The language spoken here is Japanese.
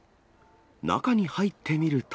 中に入ってみると。